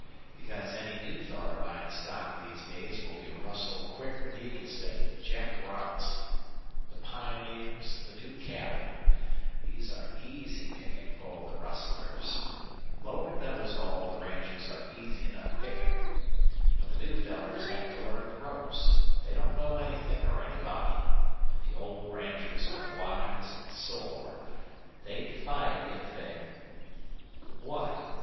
"Because any new feller buyin' stock these days will be rustled quicker 'n he can say Jack Robinson. The pioneers, the new cattlemen these are easy pickin' for the rustlers. Lord knows all the ranchers are easy enough pickin'. But the new fellers have to learn the ropes. They don't know anythin' or anybody. An' the old ranchers are wise an' sore. They'd fight if they " "What?"